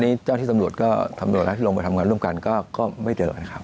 นี่เจ้าที่ตำรวจก็ตำรวจแล้วที่ลงไปทำงานร่วมกันก็ไม่เจอนะครับ